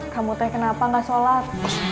kamu teh kenapa gak sholat